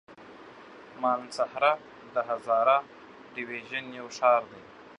مانسهره د هزاره ډويژن يو ښار دی.